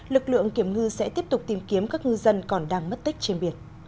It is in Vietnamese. lực lượng kiểm ngư sẽ tiếp tục tìm kiếm các ngư dân còn đang mất tích trên biển